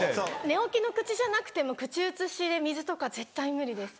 寝起きの口じゃなくても口移しで水とか絶対無理です。